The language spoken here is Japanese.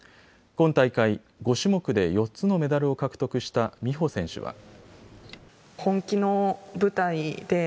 今大会、５種目で４つのメダルを獲得した美帆選手は。